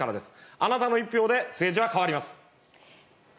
あなたの１票で政治は変わります。